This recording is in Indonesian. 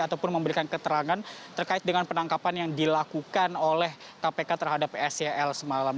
ataupun memberikan keterangan terkait dengan penangkapan yang dilakukan oleh kpk terhadap sel semalam